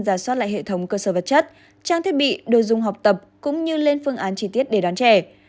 giả soát lại hệ thống cơ sở vật chất trang thiết bị đồ dùng học tập cũng như lên phương án chi tiết để đón trẻ